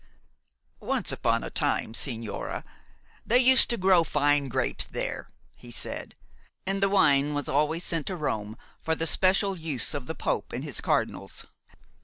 "Once upon a time, sigñora, they used to grow fine grapes there," he said, "and the wine was always sent to Rome for the special use of the Pope and his cardinals.